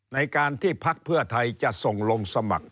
ในการที่พักเพื่อไทยจะส่งลงสมัคร